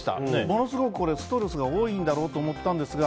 ものすごくストレスが多いんだろうと思ったんですが